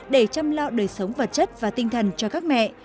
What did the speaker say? để chăm lo đời sống vật chất và tinh thần cho các mẹ